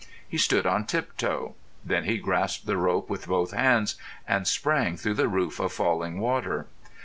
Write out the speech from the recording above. He stood on tiptoe. Then he grasped the rope with both hands and sprang through the roof of falling water.